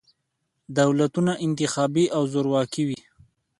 دولتونه انتخابي او زورواکي وي.